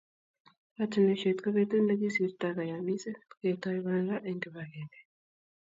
Katunisyet ko betut ne kisirtoe kayamiset, ketoi banda eng kibagenge.